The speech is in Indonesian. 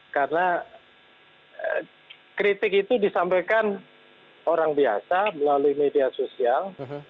karena kritik itu disampaikan orang biasa melalui media sosial